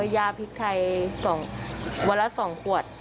ยาพริกไทยวันละ๒ขวด